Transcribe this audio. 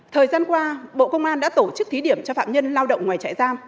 thời gian qua bộ công an đã tổ chức thí điểm cho phạm nhân lao động ngoài trại giam